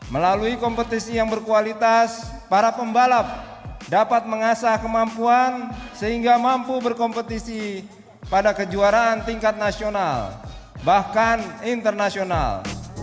melalui kompetisi yang berkualitas para pembalap dapat mengasah kemampuan sehingga mampu berkompetisi pada kejuaraan tingkat nasional bahkan internasional